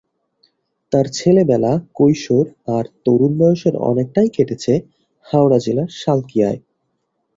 তাঁর ছেলেবেলা, কৈশোর আর তরুণ বয়সের অনেকটাই কেটেছে হাওড়া জেলার সালকিয়ায়।